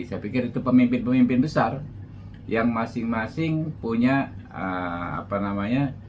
saya pikir itu pemimpin pemimpin besar yang masing masing punya apa namanya